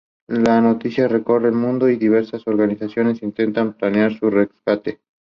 La noticia recorre el mundo, y diversas organizaciones intentan planear su rescate.